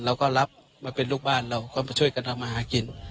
เราก็รับมาเป็นลูกบ้านเราก็มาช่วยกันทำมาหากิน